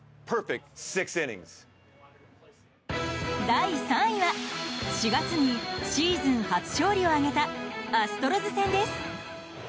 第３位は４月にシーズン初勝利を挙げたアストロズ戦です。